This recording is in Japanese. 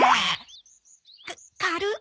か軽っ。